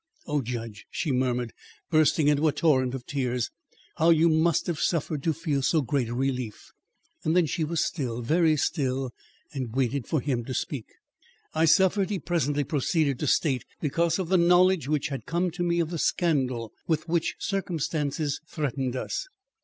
"Oh, judge!" she murmured, bursting into a torrent of tears. "How you must have suffered to feel so great a relief!" Then she was still, very still, and waited for him to speak. "I suffered," he presently proceeded to state, "because of the knowledge which had come to me of the scandal with which circumstances threatened us.